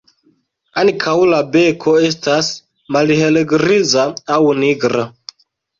Ankaŭ la beko estas malhelgriza aŭ nigra.